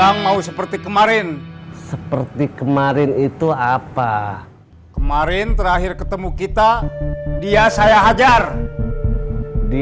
yang mau seperti kemarin seperti kemarin itu apa kemarin terakhir ketemu kita dia saya hajar di